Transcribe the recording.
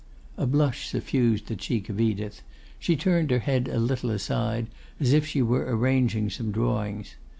A blush suffused the cheek of Edith; she turned her head a little aside, as if she were arranging some drawings.